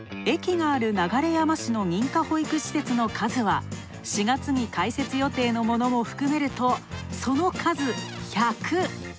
駅がある流山市の認可保育園施設の数は４月に開設予定のものも含めるとその数、１００。